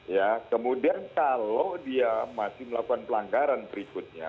ya kemudian kalau dia masih melakukan pelanggaran berikutnya